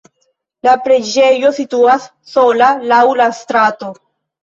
La preĝejo situas sola laŭ la strato.